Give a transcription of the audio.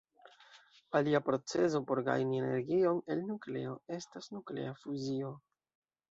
Alia procezo por gajni energion el nukleo estas nuklea fuzio.